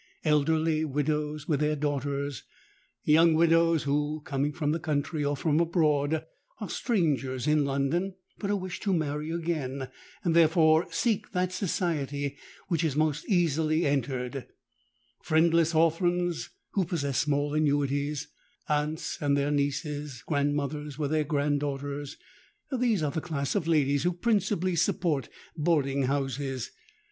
Elderly widows with their daughters,—young widows who, coming from the country or from abroad, are strangers in London, but who wish to marry again, and therefore seek that society which is most easily entered,—friendless orphans who possess small annuities,—aunts and their nieces,—grandmothers with their grand daughters,—these are the class of ladies who principally support boarding houses.